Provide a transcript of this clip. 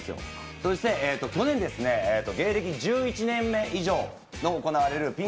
そして去年、芸歴１１年目以上で行われるピン